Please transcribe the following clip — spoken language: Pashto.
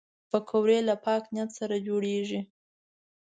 پکورې له پاک نیت سره جوړېږي